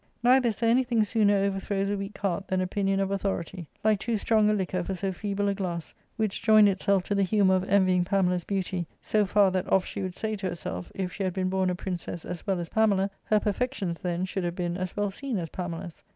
Neither is there anything sooner overthrows a weak heart than opinion of authority ; like too strong a liquor for so feeble a glass, which joined itself to the humour of envying Pamela's beauty so far that oft she would say to herself, if she had been born a princess as well as Pamela, her perfections then should have been as well seen as Pamela's.